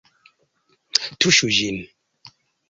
Tuŝu ĝin!